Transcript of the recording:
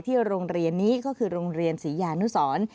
โรงเรียนนี้ก็คือโรงเรียนศรียานุสร